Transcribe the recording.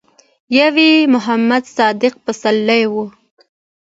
يو يې محمد صديق پسرلی و.